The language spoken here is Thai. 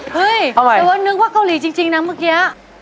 เฮ้ยแต่ว่านึกว่าเกาหลีจริงนะเมื่อกี้